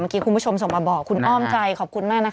คุณผู้ชมส่งมาบอกคุณอ้อมใจขอบคุณมากนะคะ